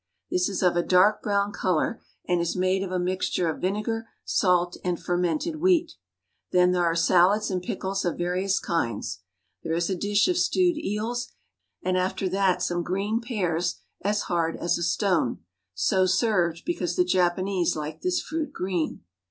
This is of a dark brown color, and is made of a mixture of vinegar, salt, and fermented wheat. Then there are salads and pickles of various kinds. There is a dish of stewed 54 JAPAN eels, and after that some green pears as hard as a stone, so served because the Japanese like this fruit green.